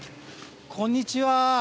こんにちは。